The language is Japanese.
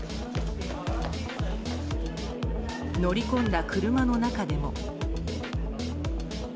乗り込んだ車の中でも。